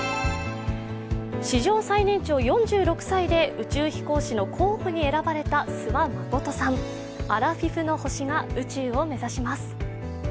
史上最年長４６歳で宇宙飛行士の候補に選ばれた諏訪理さん、アラフィフの星が宇宙を目指します。